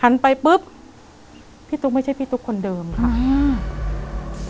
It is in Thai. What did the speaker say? ไปปุ๊บพี่ตุ๊กไม่ใช่พี่ตุ๊กคนเดิมค่ะอ่า